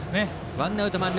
ワンアウト満塁。